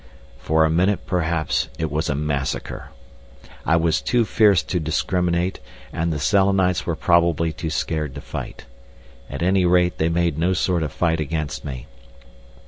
For a minute perhaps it was massacre. I was too fierce to discriminate, and the Selenites were probably too scared to fight. At any rate they made no sort of fight against me.